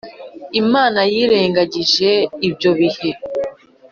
Imana yirengagije ibyo bihe